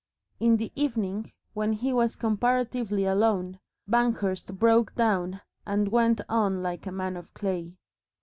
In the evening, when he was comparatively alone, Banghurst broke down and went on like a man of clay.